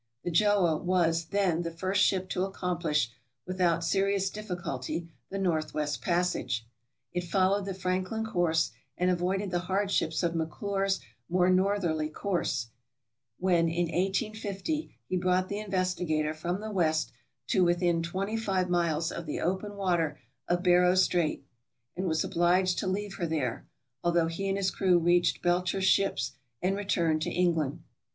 The "Gjoa" was, then, the first ship to accomplish, without serious difficulty, the northwest passage. It followed the Franklin course, and avoided the hardships of McClure's more northerly course when, in 1850, he brought the "Investigator" from the west to within 25 miles of the open water of Barrow Strait, and was obliged to leave her there, although he and his crew reached Belcher's ships and returned to England.